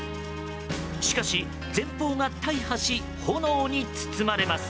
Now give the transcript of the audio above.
しかし前方が大破し炎に包まれます。